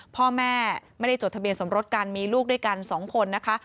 พ่อแม่ไม่ได้จดทะเบียนสมรสกันมีลูกด้วยกัน๒คนนะคะ